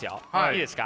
いいですか？